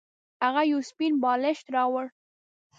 هغه یو سپین بالښت راوړ.